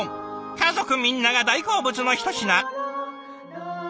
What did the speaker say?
家族みんなが大好物のひと品。